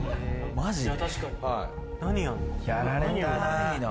マジで？